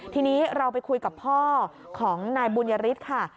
ทีนี้เราไปคุยกับพ่อของนายบุญยฤทธิ์ค่ะ